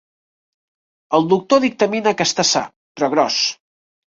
El doctor dictamina que està sa, però gros.